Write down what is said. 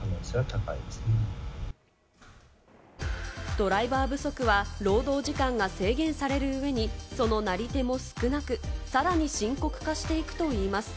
ドライバー不足は労働時間が制限される上に、そのなり手も少なく、さらに深刻化していくといいます。